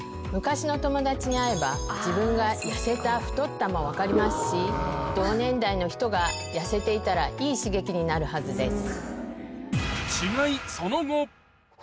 昔の友達に会えば自分が痩せた太ったも分かりますし同年代の人が痩せていたらいい刺激になるはずです。